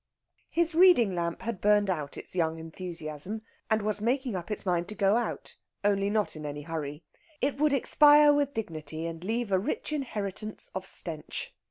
His reading lamp had burned out its young enthusiasm, and was making up its mind to go out, only not in any hurry. It would expire with dignity and leave a rich inheritance of stench.